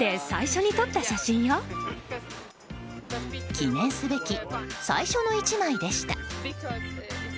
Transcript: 記念すべき最初の１枚でした。